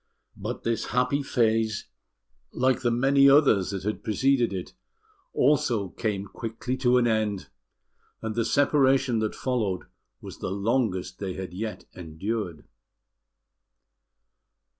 But this happy phase, like the many others that had preceded it, also quickly came to an end; and the separation that followed was the longest they had yet endured.